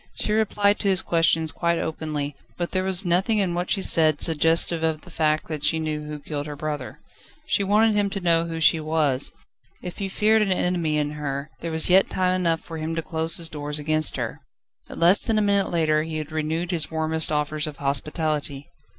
She replied to his questions quite openly, but there was nothing in what she said, suggestive of the fact that she knew who killed her brother. She wanted him to know who she was. If he feared an enemy in her, there was yet time enough for him to close his doors against her. But less than a minute later, he had renewed his warmest offers of hospitality.